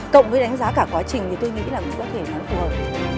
cộng với đánh giá cả quá trình thì tôi nghĩ là cũng có thể nó phù hợp